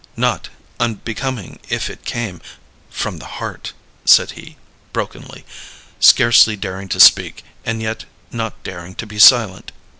"Not unbecoming if it came from the heart," said he, brokenly, scarcely daring to speak, and yet not daring to be silent.